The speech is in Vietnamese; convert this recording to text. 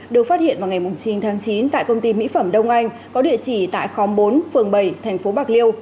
được phát hiện vào ngày chín tháng chín tại công ty mỹ phẩm đông anh có địa chỉ tại khóm bốn phường bảy thành phố bạc liêu